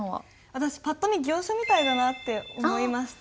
私ぱっと見「行書みたいだな」って思いました。